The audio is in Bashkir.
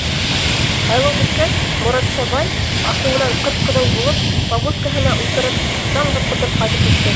— Һайлау бөткәс, Моратша бай, асыуынан ҡып-ҡыҙыл булып, повозкаһына ултырып, саң борҡотоп ҡайтып китте.